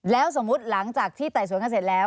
แล้วสมมุติหลังจากที่ไต่สวนกันเสร็จแล้ว